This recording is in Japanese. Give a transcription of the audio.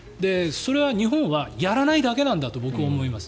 日本はやらないだけなんだと僕は思います。